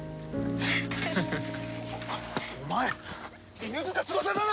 お前犬塚翼だな！